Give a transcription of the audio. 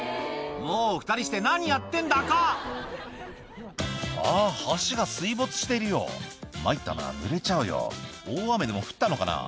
もう２人して何やってんだか「あぁ橋が水没してるよ」「参ったなぬれちゃうよ大雨でも降ったのかな？」